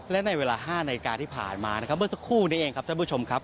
และในเวลา๕นาฬิกาที่ผ่านมานะครับเมื่อสักครู่นี้เองครับท่านผู้ชมครับ